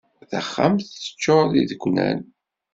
Taxxamt teččur d ideknan.